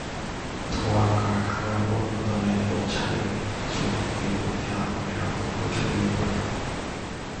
ধোঁয়া কারখানার অন্য তলায় পৌঁছালে শ্রমিকদের মধ্যে আগুনের আতঙ্ক ছড়িয়ে পড়ে।